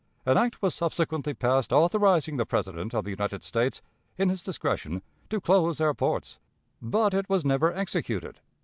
An act was subsequently passed authorizing the President of the United States, in his discretion, to close our ports, but it was never executed.